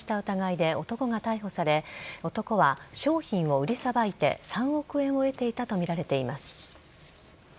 疑いで男が逮捕され、男は商品を売りさばいて、３億円を得ていたと見られています。